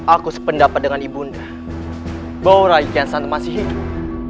aku sependapat dengan ibu undang bahwa rai kian santang masih hidup